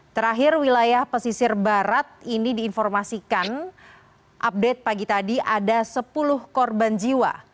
terakhir wilayah pesisir barat ini diinformasikan update pagi tadi ada sepuluh korban jiwa